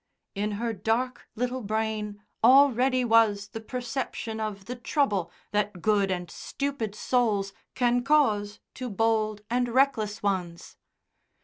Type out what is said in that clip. In her dark little brain already was the perception of the trouble that good and stupid souls can cause to bold and reckless ones.